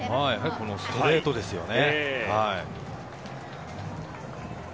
ストレートですよね。